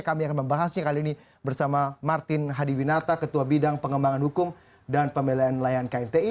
kami akan membahasnya kali ini bersama martin hadiwinata ketua bidang pengembangan hukum dan pembelaan nelayan knti